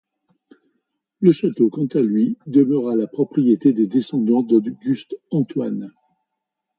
Le château quant à lui, demeurera la propriété des descendants d'Auguste Antoine.